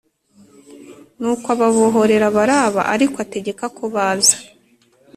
Nuko ababohorera Baraba ariko ategeka ko baza